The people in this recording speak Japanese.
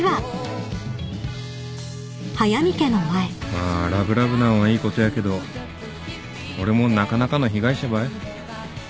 まあラブラブなんはいいことやけど俺もなかなかの被害者ばい。